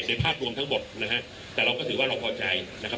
ภาพรวมทั้งหมดนะฮะแต่เราก็ถือว่าเราพอใจนะครับ